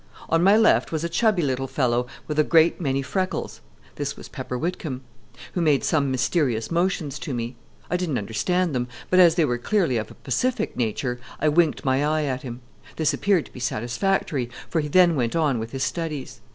On my left was a chubby little fellow with a great many freckles (this was Pepper Whitcomb), who made some mysterious motions to me. I didn't understand them, but, as they were clearly of a pacific nature, I winked my eye at him. This appeared to be satisfactory, for he then went on with his studies.